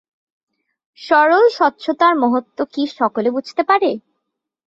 সরল স্বচ্ছতার মহত্ত্ব কি সকলে বুঝতে পারে?